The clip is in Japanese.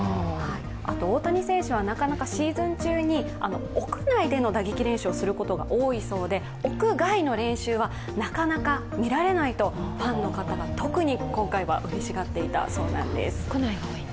あと大谷選手はシーズン中に屋内で練習をすることが多いそうで屋外の練習はなかなか見られないと、ファンの方が特に今回はうれしがっていたそうです。